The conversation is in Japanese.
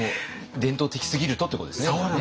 伝統的すぎるとっていうことですね。